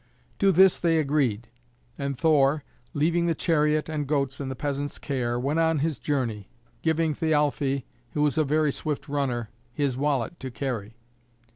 To this they agreed, and Thor, leaving the chariot and goats in the peasant's care, went on his journey, giving Thialfe, who was a very swift runner, his wallet to carry.